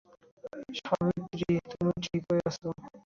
সাবিত্রী, তুমি ঠিক আছো?